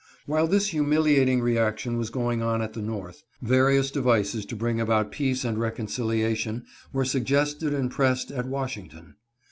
While this humiliating reaction was going on at the North, various devices to bring about peace and recon ciliation were suggested and pressed at Washington.